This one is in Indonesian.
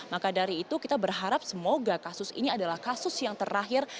maka dari itu kita berharap semoga kasus ini adalah kasus yang terakhir